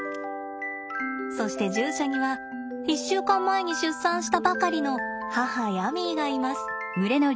そして獣舎には１週間前に出産したばかりの母ヤミーがいます。